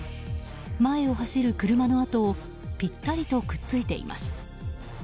前を走る車のあとをピッタリとくっついています。